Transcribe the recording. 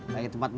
lagi tempat emak